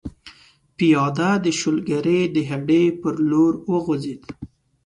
پیاده د شولګرې د هډې پر لور وخوځېدو.